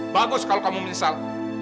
bagus kalau kamu menyesal